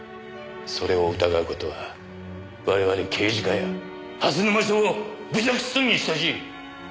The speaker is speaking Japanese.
それを疑う事は我々刑事課や蓮沼署を侮辱するに等しい！